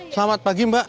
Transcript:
selamat pagi mbak